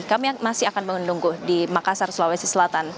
kami masih akan menunggu di makassar sulawesi selatan